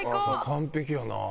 完璧やなあ。